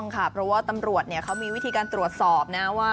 ครับ